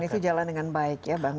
dan itu jalan dengan baik ya bang